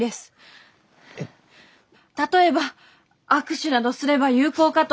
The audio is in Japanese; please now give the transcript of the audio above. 例えば握手などすれば有効かと。